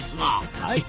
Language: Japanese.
はい。